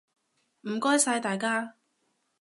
唔該晒大家！